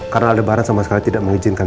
karena aldebaran sama sekali tidak mengizinkan